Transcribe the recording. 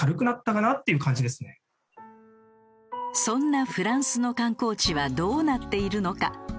そんなフランスの観光地はどうなっているのか？